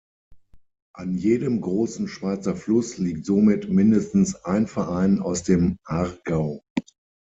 An jedem grossen Schweizer Fluss liegt somit mindestens ein Verein aus dem Aargau.